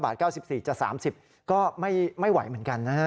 ๒๙บาท๙๔จาก๓๐ก็ไม่ไหวเหมือนกันนะฮะ